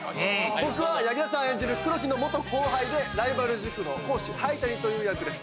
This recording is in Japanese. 僕は柳楽さん演じる黒木の後輩でライバル塾の講師灰谷という役です。